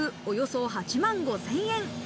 およそ８万５０００円。